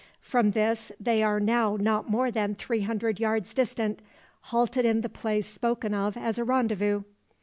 From this they are now not more than three hundred yards distant, halted in the place spoken of as a rendezvous.